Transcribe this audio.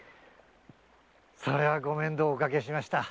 それはご面倒をおかけしました。